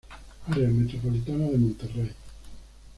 Área Metropolitana de Monterrey.